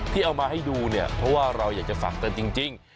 ที่เอามาให้ดูเพราะว่าเราอยากจะฝากแต่จริง